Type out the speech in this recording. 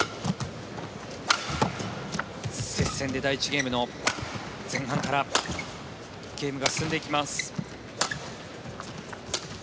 接戦で第１ゲームの前半からゲームが進んでいきます。